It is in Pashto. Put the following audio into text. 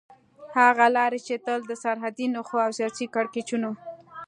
هغه لارې چې تل د سرحدي نښتو او سياسي کړکېچونو